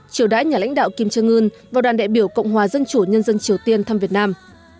triều đái nhà lãnh đạo kim trương ươn và đoàn đại biểu cộng hòa dân chủ nhân dân triều tiên thăm việt nam